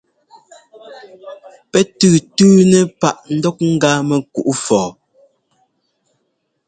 Pɛ́ tʉ́tʉ́nɛ́ páꞌ ńdɔk ŋ́gá mɛkuꞌ fɔɔ.